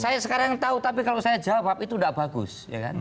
saya sekarang tahu tapi kalau saya jawab itu tidak bagus